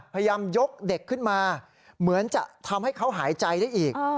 พยายามยกเด็กขึ้นมาเหมือนจะทำให้เขาหายใจได้อีก